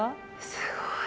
すごい。